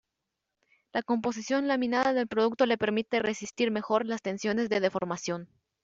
La composición laminada del producto le permite resistir mejor las tensiones de deformación.